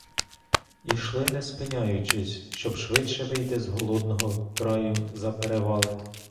Ішли, не спиняючись, щоб швидше вийти з голодного краю, за перевали.